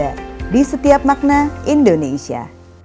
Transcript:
ya di setiap makna indonesia